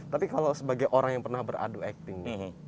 tapi kalau sebagai orang yang pernah beradu akting